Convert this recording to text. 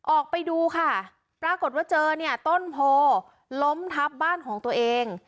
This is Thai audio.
ออกไปดูค่ะปรากฏว่าเจอเนี่ยต้นโพล้มทับบ้านของตัวเอง